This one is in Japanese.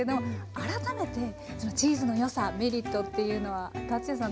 改めてチーズのよさメリットっていうのはＴａｔｓｕｙａさん